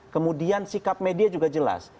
kemudian sikap media juga jelas